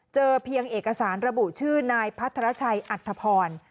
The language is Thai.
เจอเพียงเอกสารระบุชื่อนายพัทรชัยอัธพร